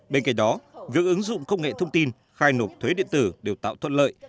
bên cạnh đó việc ứng dụng công nghệ thông tin khai nộp thuế điện tử đều tạo thuận lợi